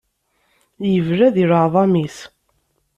Yebla di leɛḍam-is.